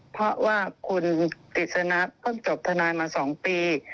เพราะว่าคุณติดสนับต้องจบธนายมา๒ปี